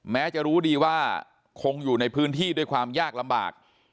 แม้จะรู้ดีว่าคงอยู่ในพื้นที่ด้วยความยากลำบาก